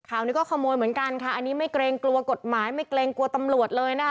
นี้ก็ขโมยเหมือนกันค่ะอันนี้ไม่เกรงกลัวกฎหมายไม่เกรงกลัวตำรวจเลยนะคะ